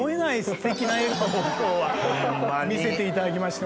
今日は見せていただきました。